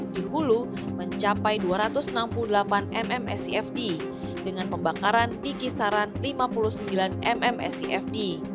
di hulu mencapai dua ratus enam puluh delapan mm scfd dengan pembakaran di kisaran lima puluh sembilan mm scfd